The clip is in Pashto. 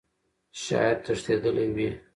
شايد تښتيدلى وي .